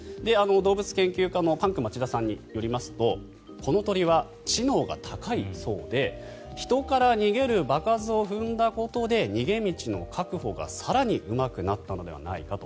動物研究家のパンク町田さんによりますとこの鳥は知能が高いそうで人から逃げる場数を踏んだことで逃げ道の確保が更にうまくなったのではないかと。